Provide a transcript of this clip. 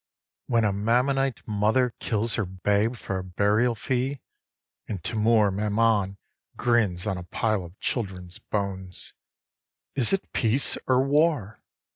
12. When a Mammonite mother kills her babe for a burial fee, And Timour Mammon grins on a pile of children's bones, Is it peace or war?